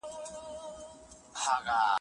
موږ آدمزاد یو، له جنته شړل شوي عشقه